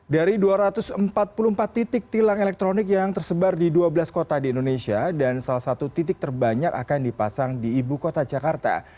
dari dua ratus empat puluh empat titik tilang elektronik yang tersebar di dua belas kota di indonesia dan salah satu titik terbanyak akan dipasang di ibu kota jakarta